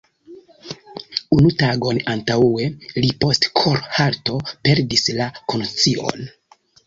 Unu tagon antaŭe li post kor-halto perdis la konscion.